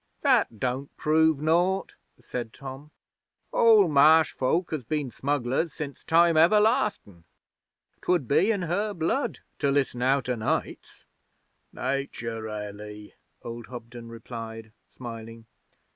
'That don't prove naught,' said Tom. 'All Marsh folk has been smugglers since time everlastin'. 'Twould be in her blood to listen out o' nights.' 'Nature ally,' old Hobden replied, smiling.